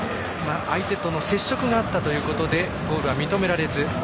相手との接触があったということでゴールは認められず。